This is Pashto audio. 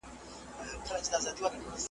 د هرات واکمني به پر خپل ځای پاتې وي.